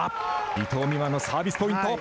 伊藤美誠のサービスポイント。